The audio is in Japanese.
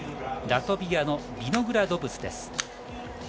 ラトビアのビノグラドブスです。